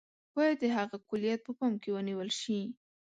باید د هغه کُلیت په پام کې ونیول شي.